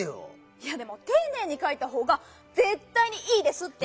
いやでもていねいにかいたほうがぜったいにいいですって！